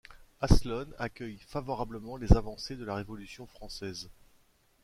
Aslonnes accueille favorablement les avancées de la Révolution française.